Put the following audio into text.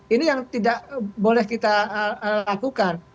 ini yang tidak boleh kita lakukan